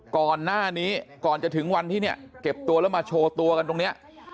ก่อนหน้านี้ก่อนจะถึงวันที่เนี่ยเก็บตัวแล้วมาโชว์ตัวกันตรงนี้